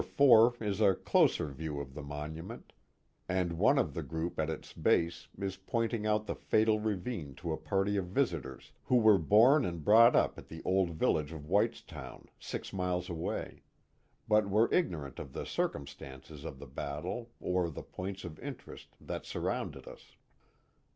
4 is a closer view of the monument, and one of the group at its base is pointing out the fatal ravine to a party of visitors who were born and brought up at the old village of Whites town, six miles away, but were ignorant of the circumstances of the battle or the points of interest that surrounded us.